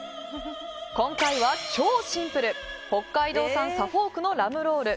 今回は超シンプル北海道産サフォークのラムロール。